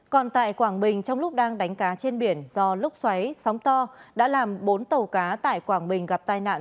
còn tại quảng bình trong lúc đang đánh cá trên biển do lúc xoáy sóng to đã làm bốn tàu cá tại quảng bình gặp tai nạn